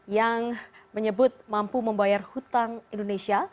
yang menyebut mampu membayar hutang indonesia